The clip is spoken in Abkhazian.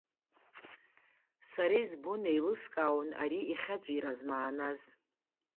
Сара избон, еилыскаауан ари ихьаҵәира змааназ.